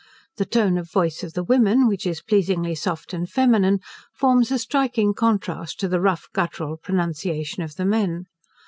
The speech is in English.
The tone of voice of the women, which is pleasingly soft and feminine, forms a striking contrast to the rough guttural pronunciation of the men.